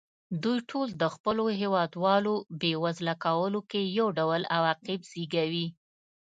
دوی ټول د خپلو هېوادوالو بېوزله کولو کې یو ډول عواقب زېږوي.